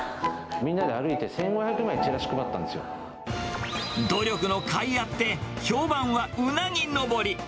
みんなで歩いて、１５００枚、努力のかいあって、評判はうなぎ登り。